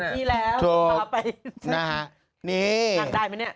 ถูกดีแล้วถัวไปน่ะครับนี่นั่งได้ไหมนี่